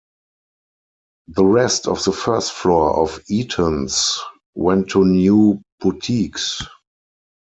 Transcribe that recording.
The rest of the first floor of Eaton's went to new boutiques.